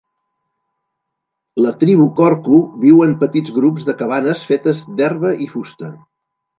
La tribu korku viu en petits grups de cabanes fetes d'herba i fusta.